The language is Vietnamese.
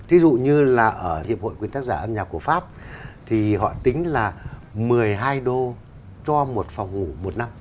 thí dụ như là ở hiệp hội quyên tác giả âm nhạc của pháp thì họ tính là một mươi hai đô cho một phòng ngủ một năm